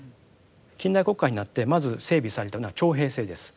近代国家になってまず整備されたのは徴兵制です。